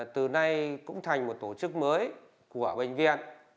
từ nay cũng thành một tổ chức mới của bệnh viện